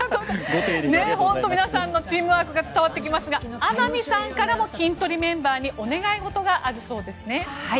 本当に皆さんのチームワークが伝わってきますが天海さんからもキントリメンバーにお願い事があるそうですね。